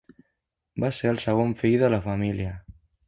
Va ser el segon fill de la família.